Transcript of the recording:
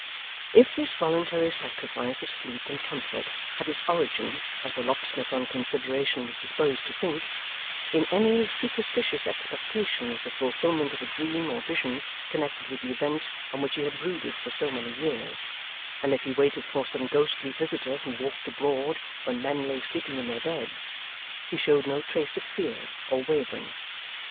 If this voluntary sacrifice of sleep and comfort had its origin, as the locksmith on consideration was disposed to think, in any superstitious expectation of the fulfilment of a dream or vision connected with the event on which he had brooded for so many years, and if he waited for some ghostly visitor who walked abroad when men lay sleeping in their beds, he showed no trace of fear or wavering.